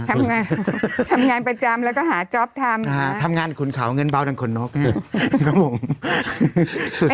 ทำงานทำงานประจำแล้วก็หาจ๊อปทำทำงานขุนเขาเงินเบาดังขนนกไงครับผม